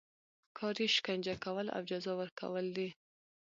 کار یې شکنجه کول او جزا ورکول دي.